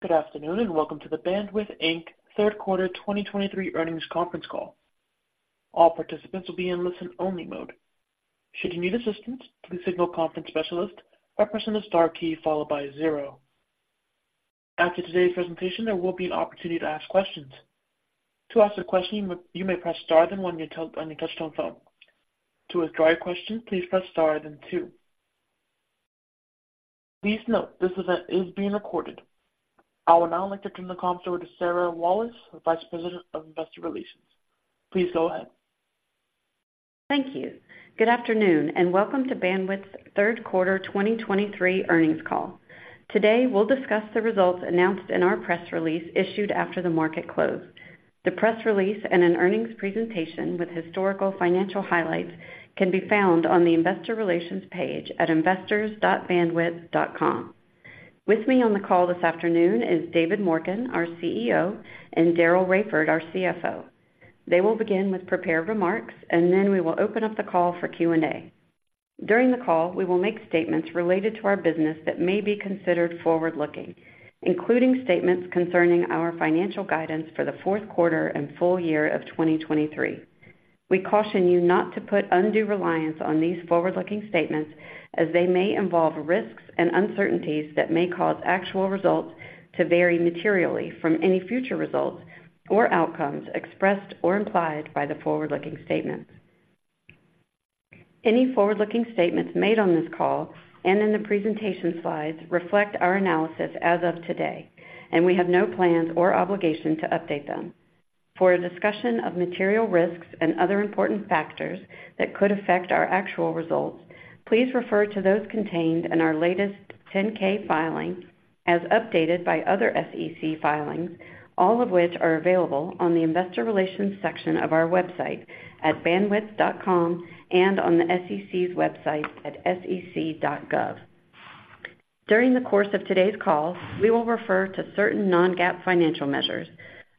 Good afternoon, and welcome to the Bandwidth Inc. Third Quarter 2023 Earnings Conference Call. All participants will be in listen-only mode. Should you need assistance, please signal conference specialist by pressing the star key followed by zero. After today's presentation, there will be an opportunity to ask questions. To ask a question, you may press star, then one on your touchtone phone. To withdraw your question, please press star, then two. Please note, this event is being recorded. I would now like to turn the call over to Sarah Walas, Vice President of Investor Relations. Please go ahead. Thank you. Good afternoon, and welcome to Bandwidth's Third Quarter 2023 Earnings Call. Today, we'll discuss the results announced in our press release issued after the market closed. The press release and an earnings presentation with historical financial highlights can be found on the Investor Relations page at investors.bandwidth.com. With me on the call this afternoon is David Morken, our CEO, and Daryl Raiford, our CFO. They will begin with prepared remarks, and then we will open up the call for Q&A. During the call, we will make statements related to our business that may be considered forward-looking, including statements concerning our financial guidance for the fourth quarter and full year of 2023. We caution you not to put undue reliance on these forward-looking statements as they may involve risks and uncertainties that may cause actual results to vary materially from any future results or outcomes expressed or implied by the forward-looking statements. Any forward-looking statements made on this call and in the presentation slides reflect our analysis as of today, and we have no plans or obligation to update them. For a discussion of material risks and other important factors that could affect our actual results, please refer to those contained in our latest 10-K filing, as updated by other SEC filings, all of which are available on the Investor Relations section of our website at bandwidth.com and on the SEC's website at sec.gov. During the course of today's call, we will refer to certain non-GAAP financial measures.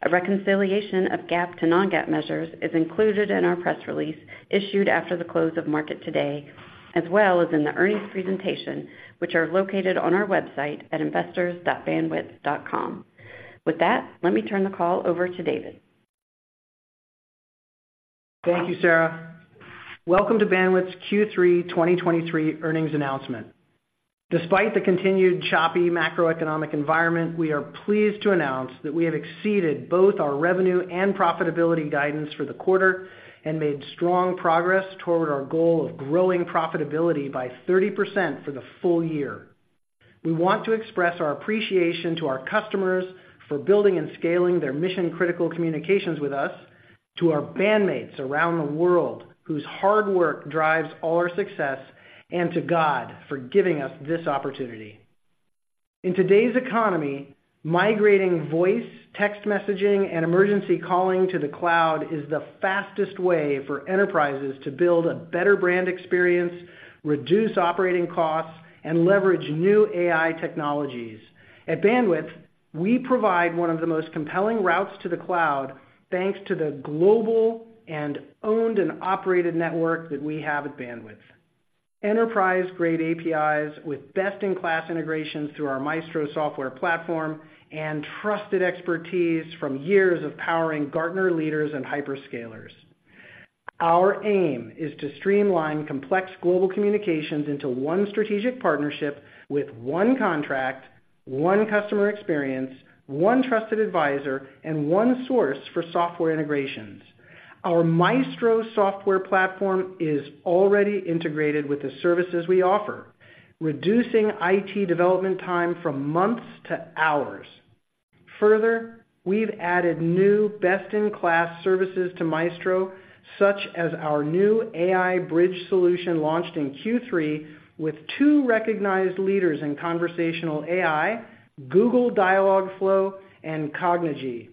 A reconciliation of GAAP to non-GAAP measures is included in our press release issued after the close of market today, as well as in the earnings presentation, which are located on our website at investors.bandwidth.com. With that, let me turn the call over to David. Thank you, Sarah. Welcome to Bandwidth's Q3 2023 earnings announcement. Despite the continued choppy macroeconomic environment, we are pleased to announce that we have exceeded both our revenue and profitability guidance for the quarter and made strong progress toward our goal of growing profitability by 30% for the full year. We want to express our appreciation to our customers for building and scaling their mission-critical communications with us, to our bandmates around the world, whose hard work drives all our success, and to God for giving us this opportunity. In today's economy, migrating voice, text messaging, and emergency calling to the cloud is the fastest way for enterprises to build a better brand experience, reduce operating costs, and leverage new AI technologies. At Bandwidth, we provide one of the most compelling routes to the cloud, thanks to the global and owned and operated network that we have at Bandwidth. Enterprise-grade APIs with best-in-class integrations through our Maestro software platform and trusted expertise from years of powering Gartner leaders and hyperscalers. Our aim is to streamline complex global communications into one strategic partnership with one contract, one customer experience, one trusted advisor, and one source for software integrations. Our Maestro software platform is already integrated with the services we offer, reducing IT development time from months to hours. Further, we've added new best-in-class services to Maestro, such as our new AI Bridge solution, launched in Q3 with two recognized leaders in conversational AI, Google Dialogflow and Cognigy.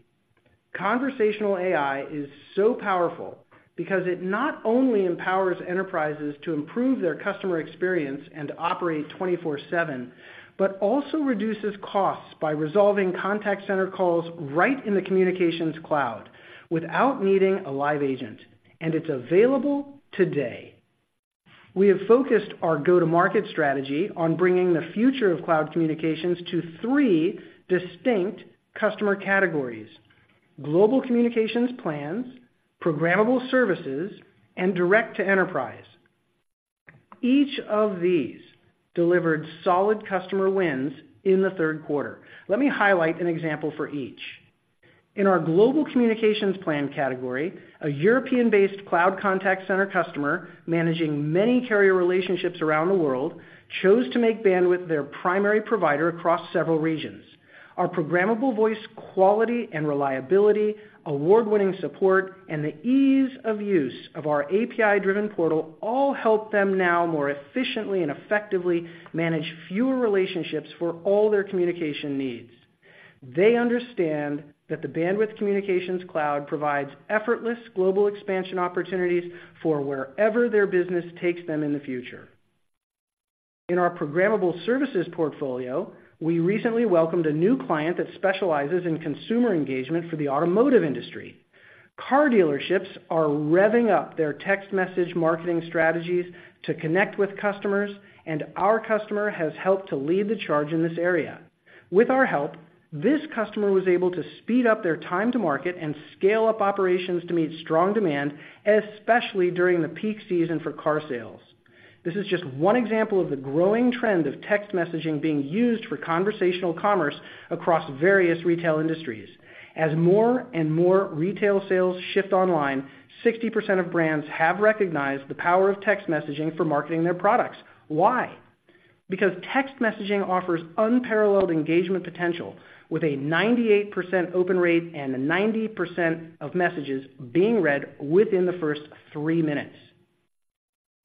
Conversational AI is so powerful because it not only empowers enterprises to improve their customer experience and operate 24/7, but also reduces costs by resolving contact center calls right in the communications cloud without needing a live agent. And it's available today. We have focused our go-to-market strategy on bringing the future of cloud communications to three distinct customer categories: global communications plans, programmable services, and direct to enterprise. Each of these delivered solid customer wins in the third quarter. Let me highlight an example for each. In our global communications plan category, a European-based cloud contact center customer, managing many carrier relationships around the world, chose to make Bandwidth their primary provider across several regions. Our programmable voice quality and reliability, award-winning support, and the ease of use of our API-driven portal all help them now more efficiently and effectively manage fewer relationships for all their communication needs. They understand that the Bandwidth Communications Cloud provides effortless global expansion opportunities for wherever their business takes them in the future. In our programmable services portfolio, we recently welcomed a new client that specializes in consumer engagement for the automotive industry. Car dealerships are revving up their text message marketing strategies to connect with customers, and our customer has helped to lead the charge in this area. With our help, this customer was able to speed up their time to market and scale up operations to meet strong demand, especially during the peak season for car sales. This is just one example of the growing trend of text messaging being used for conversational commerce across various retail industries. As more and more retail sales shift online, 60% of brands have recognized the power of text messaging for marketing their products. Why? Because text messaging offers unparalleled engagement potential, with a 98% open rate and 90% of messages being read within the first 3 minutes.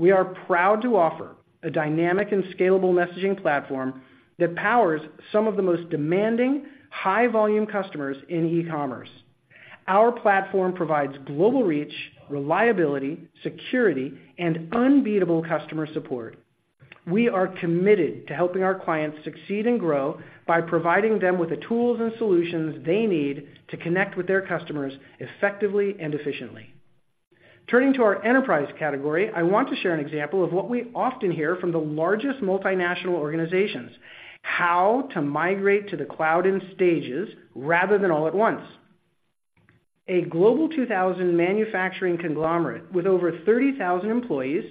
We are proud to offer a dynamic and scalable messaging platform that powers some of the most demanding, high-volume customers in e-commerce. Our platform provides global reach, reliability, security, and unbeatable customer support. We are committed to helping our clients succeed and grow by providing them with the tools and solutions they need to connect with their customers effectively and efficiently. Turning to our enterprise category, I want to share an example of what we often hear from the largest multinational organizations: how to migrate to the cloud in stages rather than all at once. A Global 2000 manufacturing conglomerate with over 30,000 employees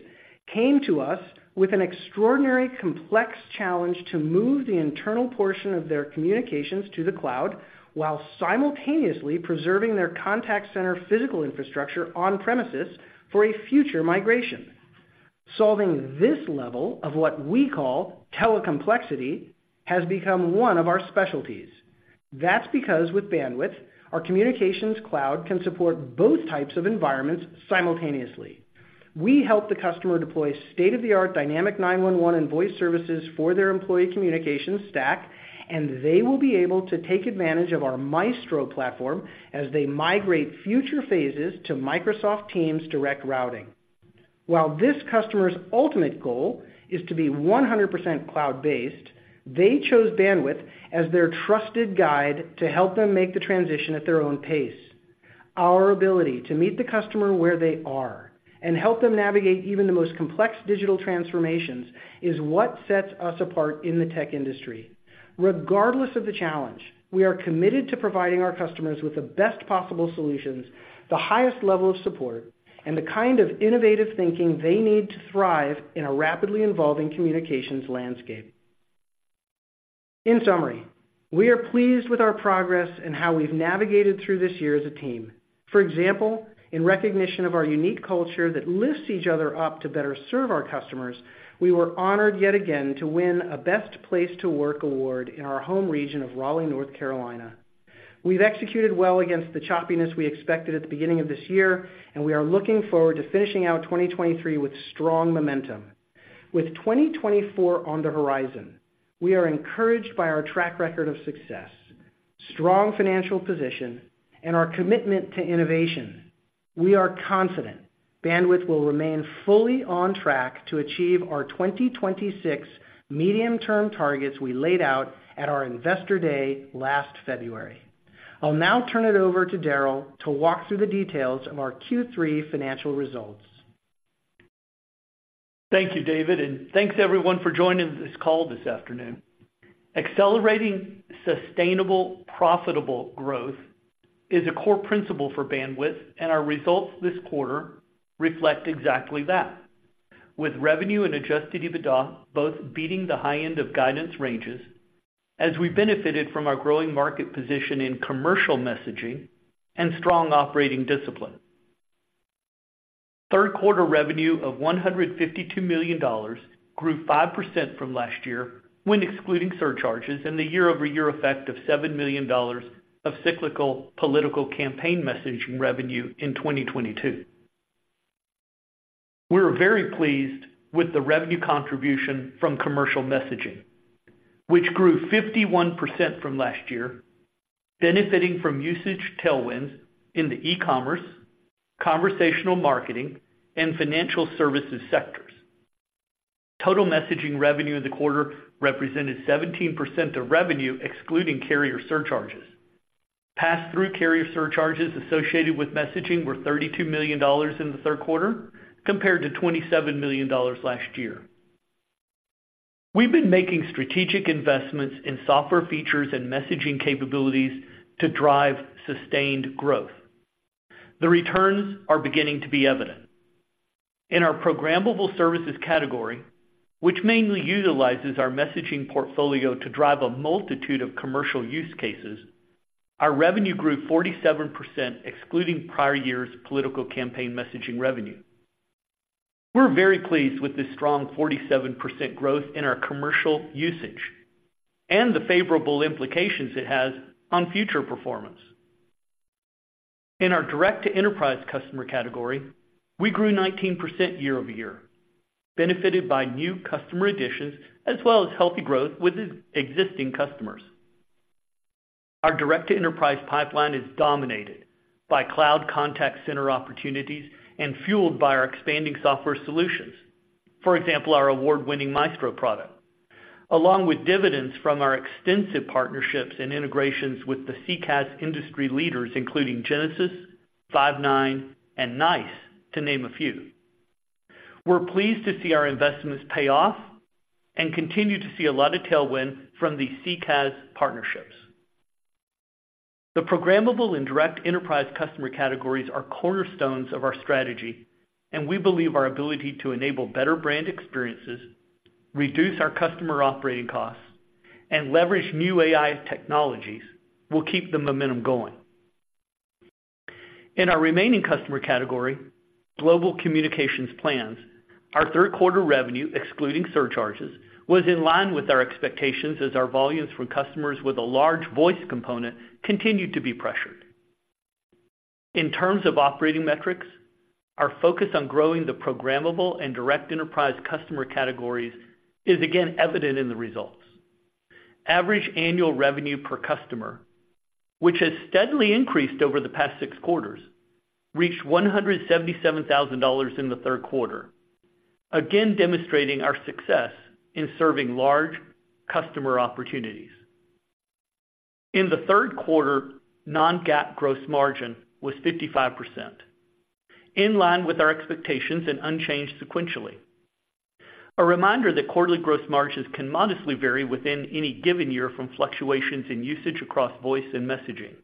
came to us with an extraordinarily complex challenge to move the internal portion of their communications to the cloud, while simultaneously preserving their contact center physical infrastructure on premises for a future migration. Solving this level of what we call telecomplexity has become one of our specialties. That's because with Bandwidth, our communications cloud can support both types of environments simultaneously. We help the customer deploy state-of-the-art dynamic 911 and voice services for their employee communication stack, and they will be able to take advantage of our Maestro platform as they migrate future phases to Microsoft Teams Direct Routing. While this customer's ultimate goal is to be 100% cloud-based, they chose Bandwidth as their trusted guide to help them make the transition at their own pace. Our ability to meet the customer where they are and help them navigate even the most complex digital transformations is what sets us apart in the tech industry. Regardless of the challenge, we are committed to providing our customers with the best possible solutions, the highest level of support, and the kind of innovative thinking they need to thrive in a rapidly evolving communications landscape. In summary, we are pleased with our progress and how we've navigated through this year as a team. For example, in recognition of our unique culture that lifts each other up to better serve our customers, we were honored yet again to win a Best Place to Work award in our home region of Raleigh, North Carolina. We've executed well against the choppiness we expected at the beginning of this year, and we are looking forward to finishing out 2023 with strong momentum. With 2024 on the horizon, we are encouraged by our track record of success, strong financial position, and our commitment to innovation. We are confident Bandwidth will remain fully on track to achieve our 2026 medium-term targets we laid out at our Investor Day last February. I'll now turn it over to Daryl to walk through the details of our Q3 financial results. Thank you, David, and thanks everyone for joining this call this afternoon. Accelerating sustainable, profitable growth is a core principle for Bandwidth, and our results this quarter reflect exactly that. With revenue and Adjusted EBITDA both beating the high end of guidance ranges, as we benefited from our growing market position in commercial messaging and strong operating discipline. Third quarter revenue of $152 million grew 5% from last year, when excluding surcharges and the year-over-year effect of $7 million of cyclical political campaign messaging revenue in 2022. We're very pleased with the revenue contribution from commercial messaging, which grew 51% from last year, benefiting from usage tailwinds in the e-commerce, conversational marketing, and financial services sectors. Total messaging revenue in the quarter represented 17% of revenue, excluding carrier surcharges. Pass-through carrier surcharges associated with messaging were $32 million in the third quarter, compared to $27 million last year. We've been making strategic investments in software features and messaging capabilities to drive sustained growth. The returns are beginning to be evident. In our programmable services category, which mainly utilizes our messaging portfolio to drive a multitude of commercial use cases, our revenue grew 47%, excluding prior year's political campaign messaging revenue. We're very pleased with this strong 47% growth in our commercial usage and the favorable implications it has on future performance. In our direct-to-enterprise customer category, we grew 19% year-over-year, benefited by new customer additions, as well as healthy growth with existing customers. Our direct-to-enterprise pipeline is dominated by cloud contact center opportunities and fueled by our expanding software solutions. For example, our award-winning Maestro product. Along with dividends from our extensive partnerships and integrations with the CCaaS industry leaders, including Genesys, Five9, and NICE, to name a few. We're pleased to see our investments pay off and continue to see a lot of tailwind from the CCaaS partnerships. The programmable and direct enterprise customer categories are cornerstones of our strategy, and we believe our ability to enable better brand experiences, reduce our customer operating costs, and leverage new AI technologies will keep the momentum going. In our remaining customer category, global communications plans, our third quarter revenue, excluding surcharges, was in line with our expectations, as our volumes from customers with a large voice component continued to be pressured. In terms of operating metrics, our focus on growing the programmable and direct enterprise customer categories is again evident in the results. Average annual revenue per customer, which has steadily increased over the past six quarters, reached $177,000 in the third quarter, again demonstrating our success in serving large customer opportunities. In the third quarter, Non-GAAP gross margin was 55%, in line with our expectations and unchanged sequentially. A reminder that quarterly gross margins can modestly vary within any given year from fluctuations in usage across voice and messaging.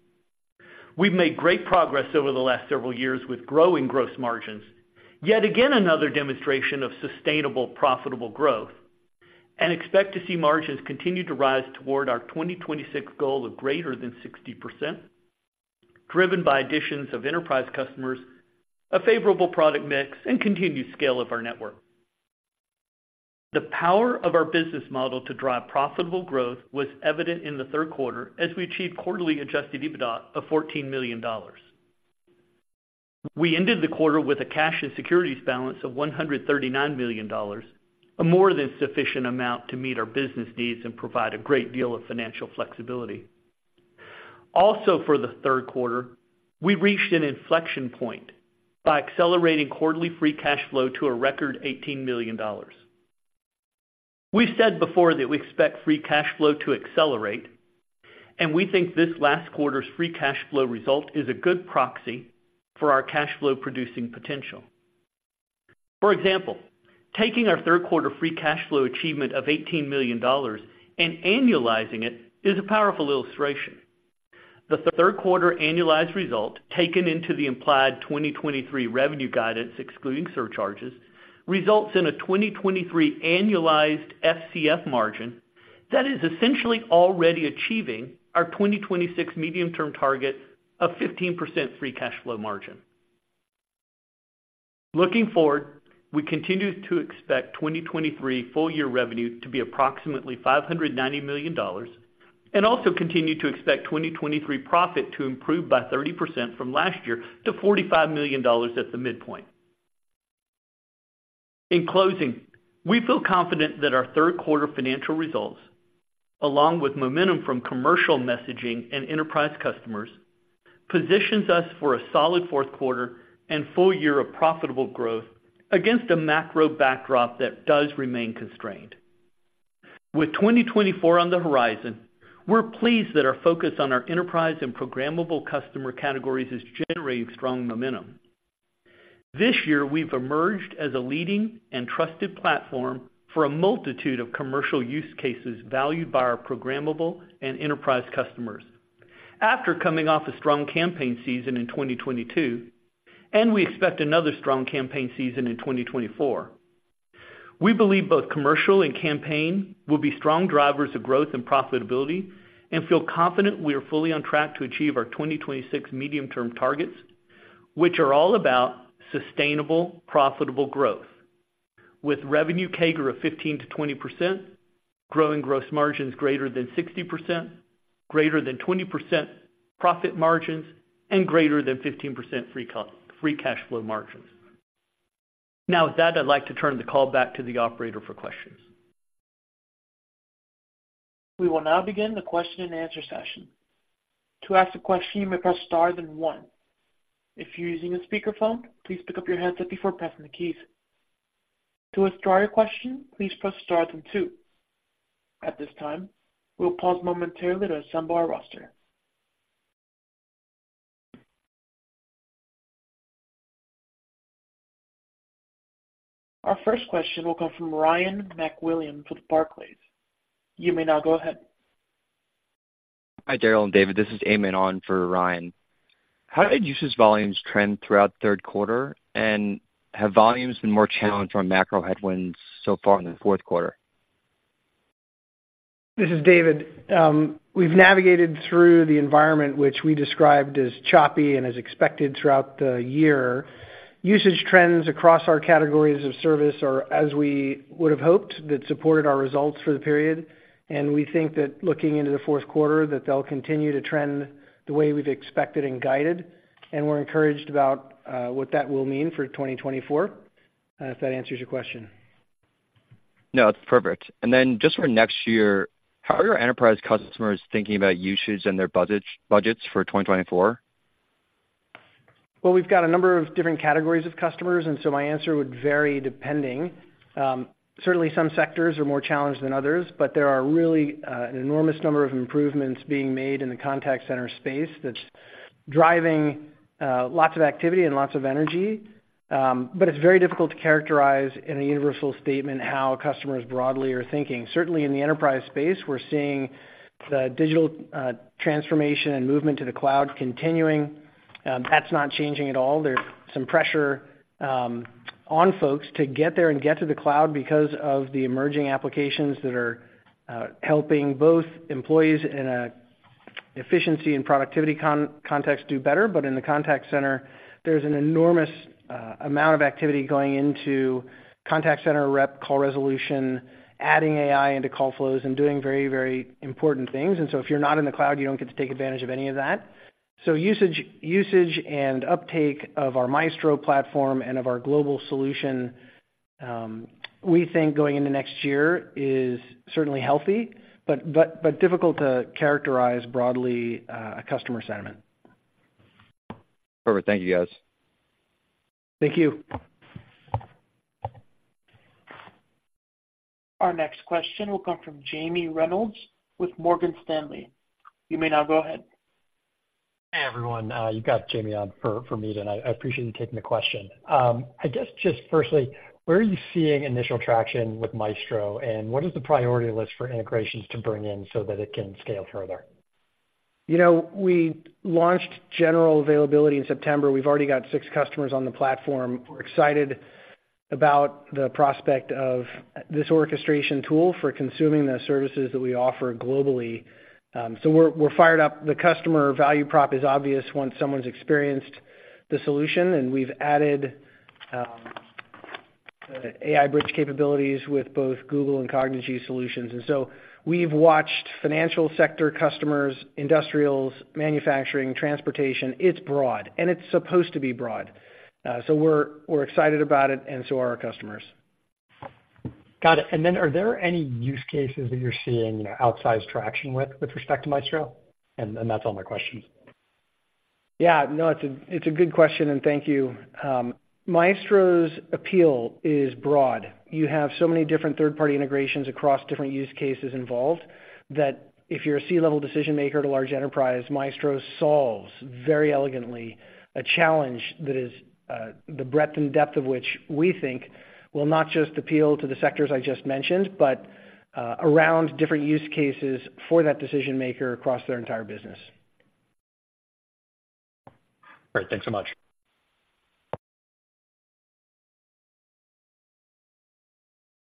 We've made great progress over the last several years with growing gross margins, yet again, another demonstration of sustainable, profitable growth, and expect to see margins continue to rise toward our 2026 goal of greater than 60%, driven by additions of enterprise customers, a favorable product mix, and continued scale of our network. The power of our business model to drive profitable growth was evident in the third quarter, as we achieved quarterly Adjusted EBITDA of $14 million. We ended the quarter with a cash and securities balance of $139 million, a more than sufficient amount to meet our business needs and provide a great deal of financial flexibility. Also, for the third quarter, we reached an inflection point by accelerating quarterly free cash flow to a record $18 million. We said before that we expect free cash flow to accelerate, and we think this last quarter's free cash flow result is a good proxy for our cash flow producing potential. For example, taking our third quarter free cash flow achievement of $18 million and annualizing it is a powerful illustration. The third quarter annualized result, taken into the implied 2023 revenue guidance, excluding surcharges, results in a 2023 annualized FCF margin that is essentially already achieving our 2026 medium-term target of 15% free cash flow margin. Looking forward, we continue to expect 2023 full year revenue to be approximately $590 million, and also continue to expect 2023 profit to improve by 30% from last year to $45 million at the midpoint. In closing, we feel confident that our third quarter financial results, along with momentum from commercial messaging and enterprise customers, positions us for a solid fourth quarter and full year of profitable growth against a macro backdrop that does remain constrained. With 2024 on the horizon, we're pleased that our focus on our enterprise and programmable customer categories is generating strong momentum. This year, we've emerged as a leading and trusted platform for a multitude of commercial use cases valued by our programmable and enterprise customers. After coming off a strong campaign season in 2022, we expect another strong campaign season in 2024. We believe both commercial and campaign will be strong drivers of growth and profitability and feel confident we are fully on track to achieve our 2026 medium-term targets, which are all about sustainable, profitable growth, with revenue CAGR of 15%-20%, growing gross margins greater than 60%, greater than 20% profit margins, and greater than 15% free cash flow margins. Now, with that, I'd like to turn the call back to the operator for questions. We will now begin the question-and-answer session. To ask a question, you may press Star, then One. If you're using a speakerphone, please pick up your headset before pressing the keys. To withdraw your question, please press Star, then Two. At this time, we'll pause momentarily to assemble our roster. Our first question will come from Ryan MacWilliams for Barclays. You may now go ahead. Hi, Daryl and David. This is Eamon on for Ryan. How did usage volumes trend throughout the third quarter, and have volumes been more challenged from macro headwinds so far in the fourth quarter? This is David. We've navigated through the environment, which we described as choppy and as expected throughout the year. Usage trends across our categories of service are, as we would have hoped, that supported our results for the period. And we think that looking into the fourth quarter, that they'll continue to trend the way we've expected and guided, and we're encouraged about what that will mean for 2024. If that answers your question. No, it's perfect. And then just for next year, how are your enterprise customers thinking about usage and their budgets, budgets for 2024? Well, we've got a number of different categories of customers, and so my answer would vary depending. Certainly, some sectors are more challenged than others, but there are really an enormous number of improvements being made in the contact center space that's driving lots of activity and lots of energy. But it's very difficult to characterize in a universal statement how customers broadly are thinking. Certainly, in the enterprise space, we're seeing the digital transformation and movement to the cloud continuing. That's not changing at all. There's some pressure on folks to get there and get to the cloud because of the emerging applications that are helping both employees in a efficiency and productivity context do better. But in the contact center, there's an enormous amount of activity going into contact center rep, call resolution, adding AI into call flows, and doing very, very important things, and so if you're not in the cloud, you don't get to take advantage of any of that. So usage and uptake of our Maestro platform and of our global solution, we think going into next year is certainly healthy, but difficult to characterize broadly, customer sentiment. Perfect. Thank you, guys. Thank you. Our next question will come from Jamie Reynolds with Morgan Stanley. You may now go ahead. Hey, everyone, you got Jamie on for me, and I appreciate you taking the question. I guess just firstly, where are you seeing initial traction with Maestro, and what is the priority list for integrations to bring in so that it can scale further? You know, we launched general availability in September. We've already got six customers on the platform. We're excited about the prospect of this orchestration tool for consuming the services that we offer globally. So we're, we're fired up. The customer value prop is obvious once someone's experienced the solution, and we've added the AI Bridge capabilities with both Google and Cognigy solutions. And so we've watched financial sector customers, industrials, manufacturing, transportation. It's broad, and it's supposed to be broad. So we're, we're excited about it, and so are our customers. Got it. And then, are there any use cases that you're seeing, you know, outsized traction with respect to Maestro? And that's all my questions. Yeah, no, it's a, it's a good question, and thank you. Maestro's appeal is broad. You have so many different third-party integrations across different use cases involved, that if you're a C-level decision maker at a large enterprise, Maestro solves, very elegantly, a challenge that is, the breadth and depth of which we think will not just appeal to the sectors I just mentioned, but, around different use cases for that decision maker across their entire business. Great. Thanks so much.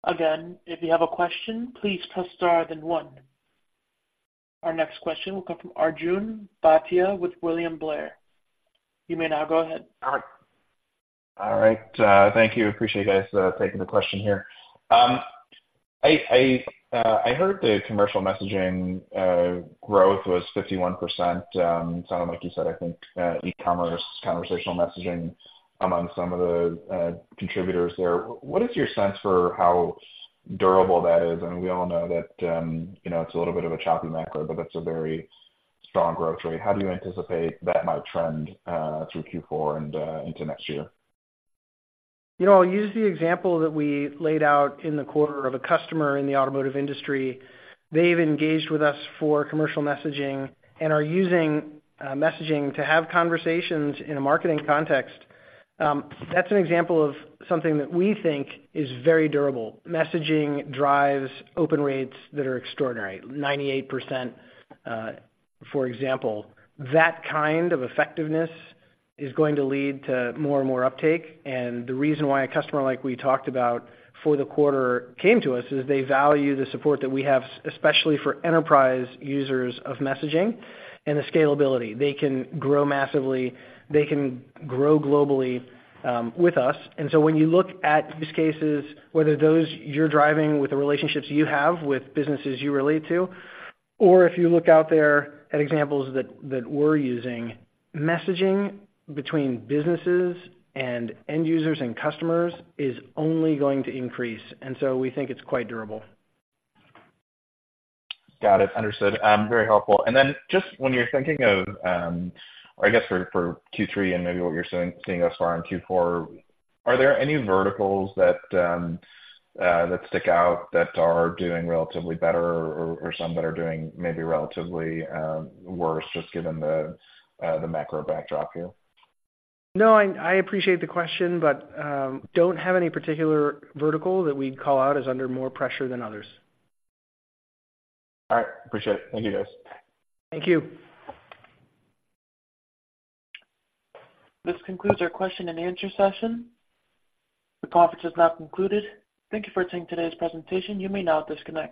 Again, if you have a question, please press star then one. Our next question will come from Arjun Bhatia with William Blair. You may now go ahead. All right, thank you. Appreciate you guys taking the question here. I heard the commercial messaging growth was 51%. Sounded like you said, I think, e-commerce, conversational messaging among some of the contributors there. What is your sense for how durable that is? I mean, we all know that, you know, it's a little bit of a choppy macro, but that's a very strong growth rate. How do you anticipate that might trend through Q4 and into next year? You know, I'll use the example that we laid out in the quarter of a customer in the automotive industry. They've engaged with us for commercial messaging and are using messaging to have conversations in a marketing context. That's an example of something that we think is very durable. Messaging drives open rates that are extraordinary, 98%, for example. That kind of effectiveness is going to lead to more and more uptake, and the reason why a customer like we talked about for the quarter came to us is they value the support that we have, especially for enterprise users of messaging and the scalability. They can grow massively. They can grow globally with us. And so when you look at use cases, whether those you're driving with the relationships you have with businesses you relate to, or if you look out there at examples that we're using, messaging between businesses and end users and customers is only going to increase, and so we think it's quite durable. Got it. Understood. Very helpful. And then just when you're thinking of, I guess for Q3 and maybe what you're seeing thus far in Q4, are there any verticals that stick out, that are doing relatively better or some that are doing maybe relatively worse, just given the macro backdrop here? No, I appreciate the question, but don't have any particular vertical that we'd call out as under more pressure than others. All right. Appreciate it. Thank you, guys. Thank you. This concludes our question and answer session. The conference is now concluded. Thank you for attending today's presentation. You may now disconnect.